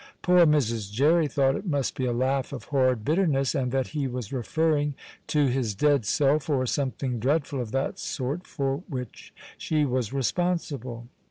Poor Mrs. Jerry thought it must be a laugh of horrid bitterness, and that he was referring to his dead self or something dreadful of that sort, for which she was responsible.